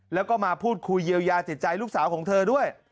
แล้วก็มาพูดคุยเยียวยาจิตใจลูกสาวของเธอด้วย